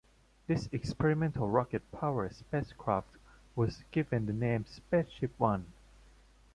This experimental rocket-powered spacecraft was given the name SpaceShipOne.